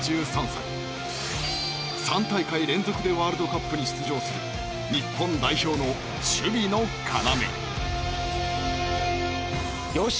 ３大会連続でワールドカップに出場する日本代表の守備の要。